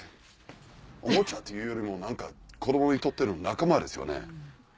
おもちゃというよりも何か子供にとっての仲間ですよね。